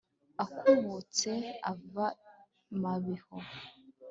Akubutse ava i Mabiho